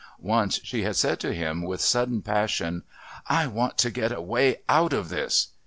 Once she had said to him with sudden passion: "I want to get away out of this."